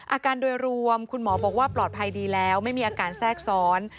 อาการโดยรวมคุณหมอบอกว่าปลอดภัยดีแล้วไม่มีอาการแทรกซ้อน